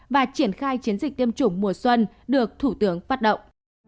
và triển khai chiến dịch tiêm chủng mùa xuân được thủ tướng phát động